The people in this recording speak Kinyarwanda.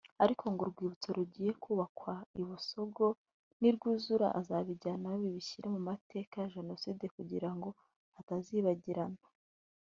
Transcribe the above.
ariko ngo urwibutso rugiye kubakwa i Busogo nirwuzura azabijyanayo bibishyire mu mateka ya Jenoside kugira ngo atazibagirana